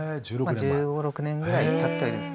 １５１６年ぐらいたってるんですね。